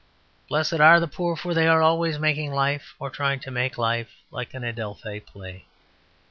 Blessed are the poor, for they are always making life, or trying to make life like an Adelphi play.